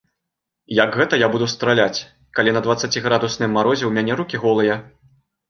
Як гэта я буду страляць, калі на дваццаціградусным марозе ў мяне рукі голыя?